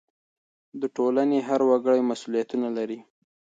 د ټولنې هر وګړی مسؤلیتونه لري.